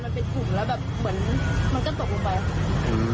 มันเป็นถุงแล้วแบบเหมือนมันก็ตกลงไป